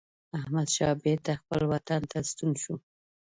احمدشاه بیرته خپل وطن ته ستون شو.